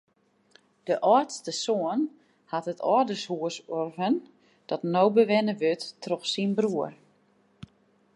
De âldste soan hat it âldershûs urven dat no bewenne wurdt troch syn broer.